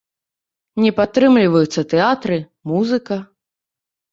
Не падтрымліваюцца тэатры, музыка.